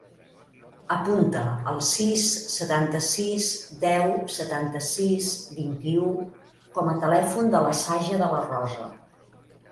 Apunta el sis, setanta-sis, deu, setanta-sis, vint-i-u com a telèfon de la Saja De La Rosa.